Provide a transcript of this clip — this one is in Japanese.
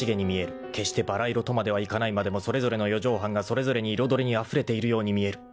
［決してばら色とまではいかないまでもそれぞれの四畳半がそれぞれに彩りにあふれているように見える］